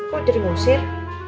kok jadi ngusir